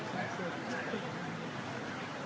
สวัสดีครับ